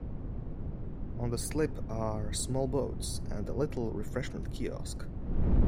On the slip are small boats, and a little refreshment kiosk.